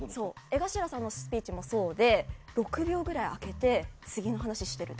江頭さんのスピーチもそうで６秒くらい開けて次の話をする。